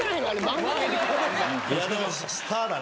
でもスターだね。